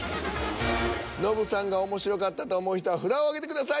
ノブさんが面白かったと思う人は札を挙げてください。